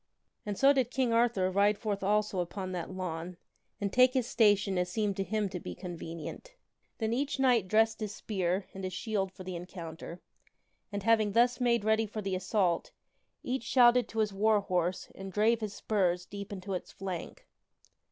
And so did King Arthur ride forth also upon that lawn, and take his station as seemed to him to be convenient. Then each knight dressed his spear and his shield for the encounter, and, having thus made ready for the assault, each shouted to his war horse and drave his spurs deep into its flank.